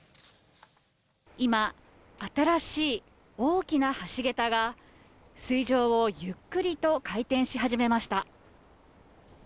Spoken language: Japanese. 今、新しい大きな橋桁が、水上をゆっくりと回転し始めました。